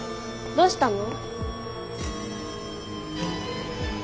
どうしたの？